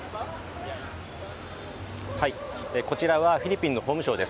こちらはフィリピンの法務省です。